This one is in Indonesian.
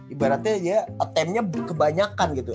ibaratnya dia attempt nya kebanyakan gitu